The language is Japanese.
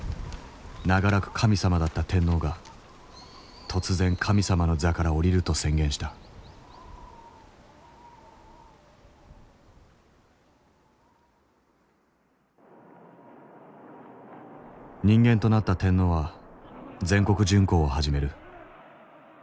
長らく神様だった天皇が突然神様の座から降りると宣言した人間となった天皇は全国巡幸を始める。